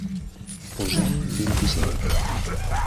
Posem vint-i-cinc.